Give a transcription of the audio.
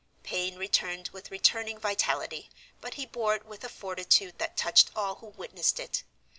Pain returned with returning vitality, but he bore it with a fortitude that touched all who witnessed it.